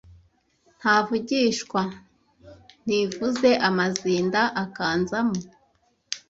Ntavugishwa ntivuze Amazinda akanzamo